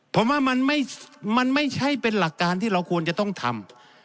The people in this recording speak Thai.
ผมว่ามันไม่ใช่เป็นหลักการที่เราควรจะต้องทำ